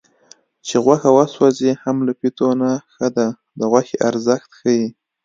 چې غوښه وسوځي هم له پیتو نه ښه ده د غوښې ارزښت ښيي